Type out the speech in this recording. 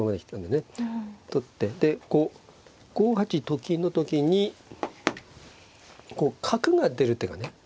取ってでこう５八と金の時にこう角が出る手がね